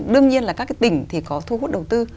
đương nhiên là các cái tỉnh thì có thu hút đầu tư